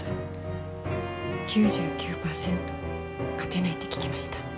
９９％勝てないって聞きました。